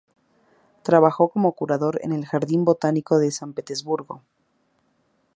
Trabajó como curador en el Jardín botánico de San Petersburgo.